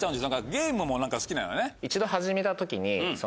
ゲームも好きなんよね？